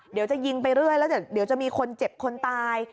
เดี๋ยวจะยิงไปเรื่อยแล้วเดี๋ยวจะมีคนเจ็บคนตาย